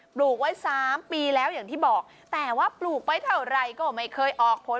ปลูกไว้๓ปีแล้วอย่างที่บอกแต่ว่าปลูกไปเท่าไหร่ก็ไม่เคยออกผล